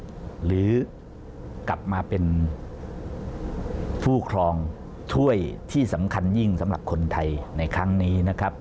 หรือกลับมาเป็นผู้ครองถ้วยที่สำคัญยิ่งสำหรับคนไทยในครั้งนี้นะครับ